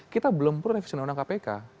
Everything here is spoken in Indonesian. kita belum perlu revisi undang undang kpk